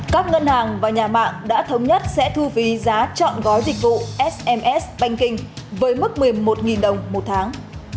các ngân hàng và nhà mạng đã thống nhất sẽ thu phí giá chọn gói dịch vụ sms banking với mức một mươi một đồng một tháng